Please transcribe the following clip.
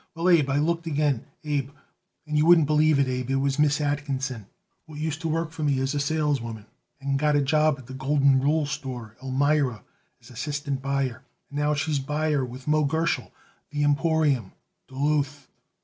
Well, Abe, I looked again, Abe, and would you believe it, Abe, it was Miss Atkinson, what used to work for me as saleswoman and got a job by The Golden Rule Store, Elmira, as assistant buyer, and is now buyer by Moe Gerschel, The Emporium, Duluth."